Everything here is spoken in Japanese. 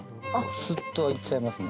スッといっちゃいますね。